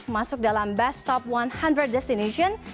masuk dalam best top seratus destination